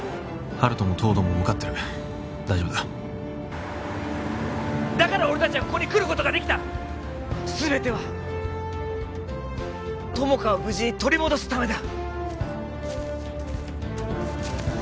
温人も東堂も向かってる大丈夫だだから俺達はここに来ることができた全ては友果を無事に取り戻すためだ